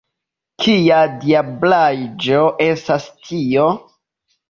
Kia diablaĵo estas tio?